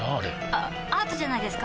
あアートじゃないですか？